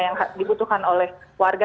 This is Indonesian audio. yang dibutuhkan oleh warga